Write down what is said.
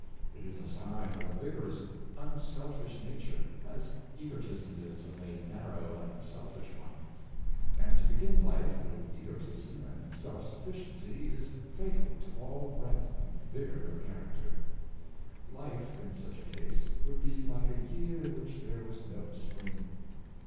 It is a sign of a vigor ous, unselfish nature, as egotism is of a narrow and selfish one; and to begin life with egotism and self sufficiency is fatal to all breadth and vigor of character. Life, in such a case, would be like a year in which there was no spring.